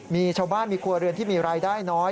มีชาวบ้านมีครัวเรือนที่มีรายได้น้อย